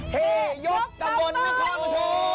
เฮยกกำมลณช้อนว่าโชว์สวัสดีค่ะอ้าวรอบนี้ถูกรอบนี้ถูก